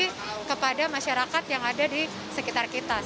dan kontribusi kepada masyarakat yang ada di sekitar kita